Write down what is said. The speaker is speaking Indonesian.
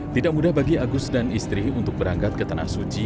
tidak mudah bagi agus dan istri untuk berangkat ke tanah suci